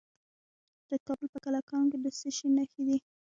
د کابل په کلکان کې د څه شي نښې دي؟